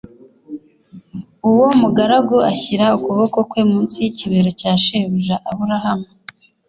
uwo mugaragu ashyira ukuboko kwe munsi y’ikibero cya shebuja aburahamu